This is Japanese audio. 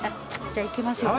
じゃあいきますよ。